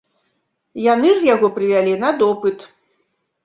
Яны ж яго прывялі на допыт.